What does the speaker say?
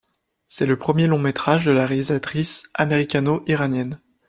C'est le premier long métrage de la réalisatrice américano-iranienne.